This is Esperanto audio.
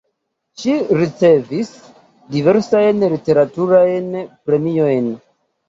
Ŝi ricevis diversajn literaturajn premiojn.